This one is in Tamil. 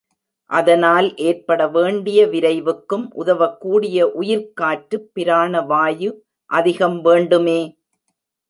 அதனால் ஏற்பட வேண்டிய விரைவுக்கும் உதவக்கூடிய உயிர்க்காற்று பிராண வாயு அதிகம் வேண்டுமே!